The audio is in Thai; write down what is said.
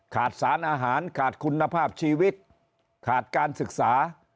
ขาดสารอาหารขาดคุณภาพชีวิตขาดการศึกษา